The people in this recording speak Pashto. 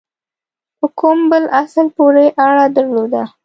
په کوم بل اصل پوري اړه درلوده.